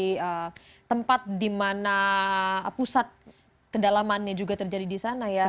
jadi tempat di mana pusat kedalamannya juga terjadi di sana ya